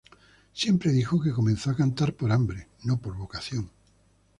Siempre dijo que comenzó a cantar por hambre, no por vocación.